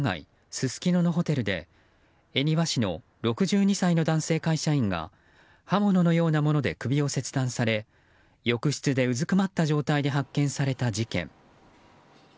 すすきののホテルで恵庭市の６２歳の男性会社員が刃物のようなもので首を切断され浴室でうずくまった状態で発見された事件。